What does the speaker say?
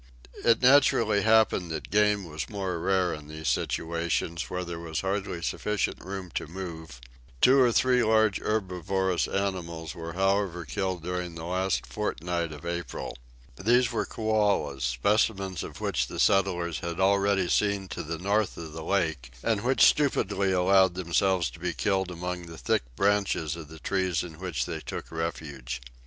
It naturally happened that game was more rare in those situations where there was hardly sufficient room to move; two or three large herbivorous animals were however killed during the last fortnight of April. These were koalas, specimens of which the settlers had already seen to the north of the lake, and which stupidly allowed themselves to be killed among the thick branches of the trees in which they took refuge.